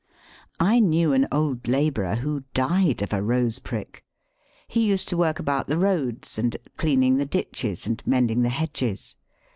I knew an old labourer who died of a rose prick. He used to work about the roads, and at cleaning the ditches and mending the hedges.